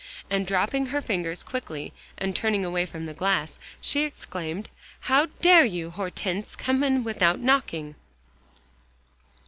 And dropping her fingers quickly and turning away from the glass, she exclaimed, "How dare you, Hortense, come in without knocking?"